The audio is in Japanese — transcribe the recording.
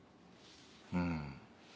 うん。